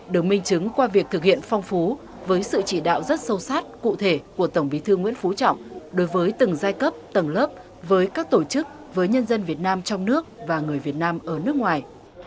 được minh chứng qua việc thực hiện phong phú với sự chỉ đạo rất sâu sát cụ thể của tổng bí thư nguyễn phú trọng đối với từng giai cấp tầng lớp với các tổ chức với nhân dân việt nam trong nước và người việt nam ở nước ngoài